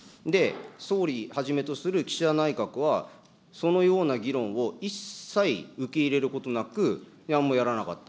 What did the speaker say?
総理はじめとする岸田内閣は、そのような議論を一切受け入れることなく、なんもやらなかった。